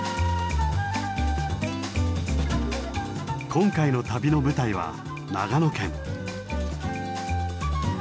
今回の旅の舞台は長野県。